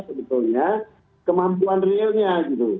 sebetulnya kemampuan realnya